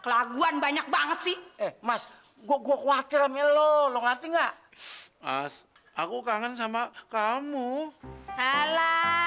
kelaguan banyak banget sih mas gua gua khawatir amelo lo ngerti nggak aku kangen sama kamu ala